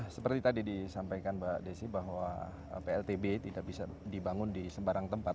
seperti tadi disampaikan mbak desi bahwa pltb tidak bisa dibangun di sembarang tempat